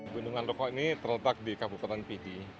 bendungan rokok ini terletak di kabupaten pidi